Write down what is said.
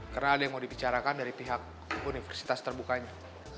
karena ada yang mau dibicarakan dari pihak universitas terbukanya